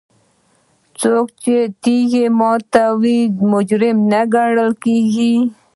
آیا څوک چې تیږه ماته کړي مجرم نه ګڼل کیږي؟